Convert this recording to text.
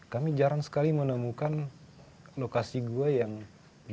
kami jarang sekali menemukan lokasi gua yang di